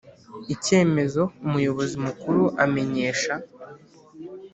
Icyemezo umuyobozi mukuru amenyesha